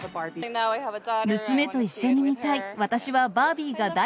娘と一緒に見たい。